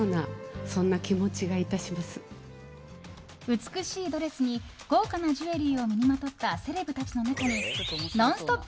美しいドレスに豪華なジュエリーを身にまとったセレブたちの中に「ノンストップ！」